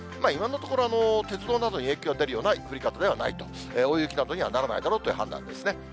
今のところは鉄道などに影響が出るような降り方ではないと、大雪などにはならないだろうという判断ですね。